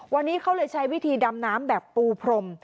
วันนี้เขาเลยใช้วิธีดำน้ำแบบปูพรม